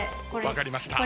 分かりました。